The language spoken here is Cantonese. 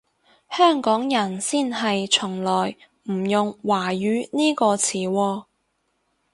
香港人先係從來唔用華語呢個詞喎